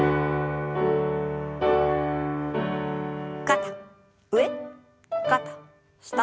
肩上肩下。